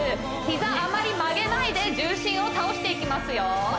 ヒザあまり曲げないで重心を倒していきますよ